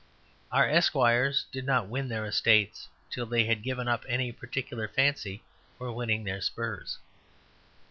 Our esquires did not win their estates till they had given up any particular fancy for winning their spurs.